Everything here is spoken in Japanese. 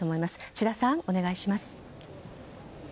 千田さん、お願いします。